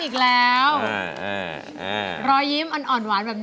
เป็นทางที่เราทำเพาะคิดบ้านถูกทาง